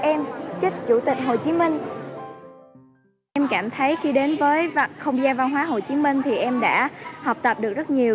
em cảm thấy khi đến với không gian văn hóa hồ chí minh thì em đã học tập được rất nhiều